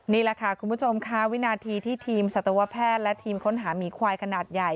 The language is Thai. นี่แหละค่ะคุณผู้ชมค่ะวินาทีที่ทีมสัตวแพทย์และทีมค้นหาหมีควายขนาดใหญ่